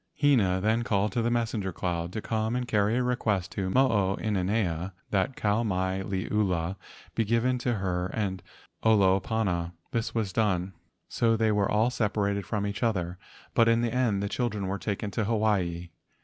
Hina then called to the messenger cloud to come and carry a request to Mo o inanea that Kau mai liula be given to her and Olopana. This was done. So they were all separated from each other, but in the end the children were taken to Hawaii.